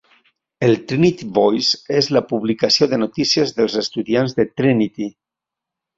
El Trinity Voice és la publicació de notícies dels estudiants de Trinity.